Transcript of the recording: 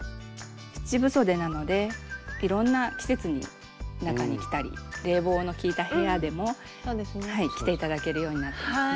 七分そでなのでいろんな季節に中に着たり冷房の効いた部屋でも着て頂けるようになってますね。